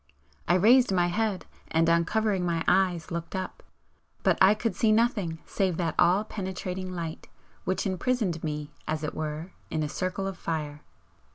I raised my head, and, uncovering my eyes, looked up. But I could see nothing save that all penetrating light which imprisoned me as it were in a circle of fire.